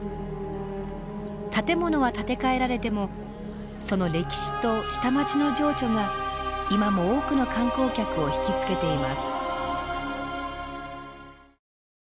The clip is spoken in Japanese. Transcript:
建物は建て替えられてもその歴史と下町の情緒が今も多くの観光客を引き付けています。